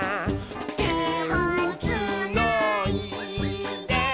「てをつないで」